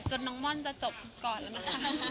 จนน้องมอลจะจบก่อนละนะค่ะ